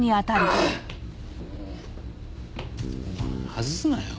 外すなよ。